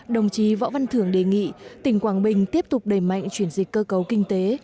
đồng chí võ văn thường đề nghị tỉnh quảng bình tiếp tục đẩy mạnh chuyển dịch cơ cấu kinh tế